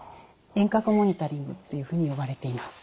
遠隔モニタリングというふうに呼ばれています。